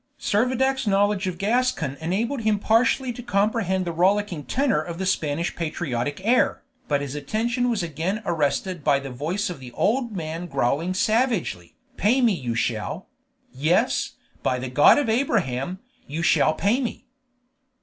_ Servadac's knowledge of Gascon enabled him partially to comprehend the rollicking tenor of the Spanish patriotic air, but his attention was again arrested by the voice of the old man growling savagely, "Pay me you shall; yes, by the God of Abraham, you shall pay me."